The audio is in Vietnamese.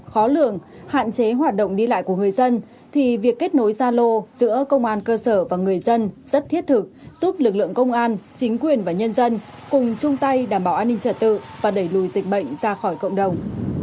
khó lường hạn chế hoạt động đi lại của người dân thì việc kết nối gia lô giữa công an cơ sở và người dân rất thiết thực giúp lực lượng công an chính quyền và nhân dân cùng chung tay đảm bảo an ninh trật tự và đẩy lùi dịch bệnh ra khỏi cộng đồng